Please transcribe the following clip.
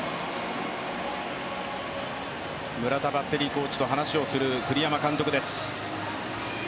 村田バッテリーコーチと話をする栗山監督です。